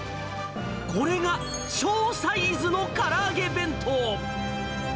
これが小サイズの唐揚げ弁当。